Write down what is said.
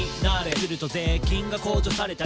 「すると税金が控除されたり」